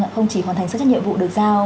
không chỉ hoàn thành sức nhận nhiệm vụ được giao